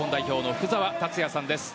福澤達哉さんです。